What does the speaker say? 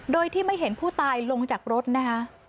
โดยที่ไม่เห็นผู้ตายลงจากรถนะคะ